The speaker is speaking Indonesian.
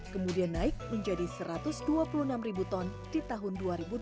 kemudian naik menjadi satu ratus dua puluh enam ribu ton di tahun dua ribu dua puluh